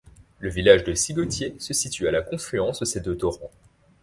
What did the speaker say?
Le village de Sigottier se situe à la confluence de ces deux torrents.